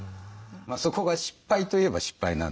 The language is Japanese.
そこが失敗といえば失敗なんですけど。